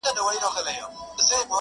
چي مي سترګي د یار و وینم پیالو کي ,